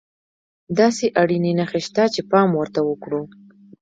داسې اړينې نښې شته چې پام ورته وکړو.